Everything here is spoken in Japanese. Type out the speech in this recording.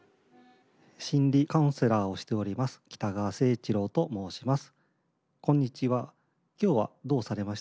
・心理カウンセラーをしております北川清一郎と申します。